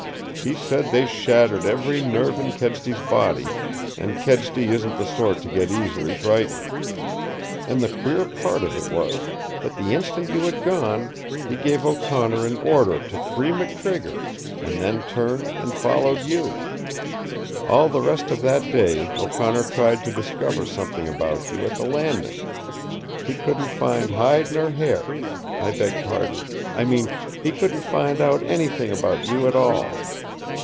He said they shattered every nerve in Kedsty's body, and Kedsty isn't the sort to get easily frightened. And the queer part of it was that the instant you had gone, he gave O'Connor an order to free McTrigger and then turned and followed you. All the rest of that day O'Connor tried to discover something about you at the Landing. He couldn't find hide nor hair I beg pardon! I mean he couldn't find out anything about you at all.